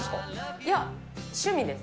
いや、趣味です。